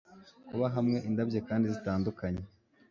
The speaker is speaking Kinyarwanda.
Kuba hamwe indabyo kandi zitandukanye